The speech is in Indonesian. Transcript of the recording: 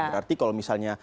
berarti kalau misalnya